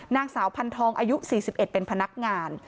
นางสาวพันธองอายุ๔๑เป็นพนักงาน